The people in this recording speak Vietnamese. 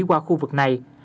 qua khu vực này